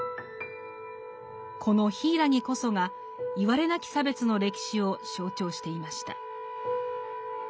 この柊こそがいわれなき差別の歴史を象徴していました。